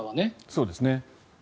そうですね。